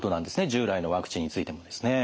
従来のワクチンについてもですね。